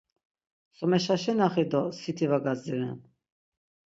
So meşaşinaxi do siti va gadziren?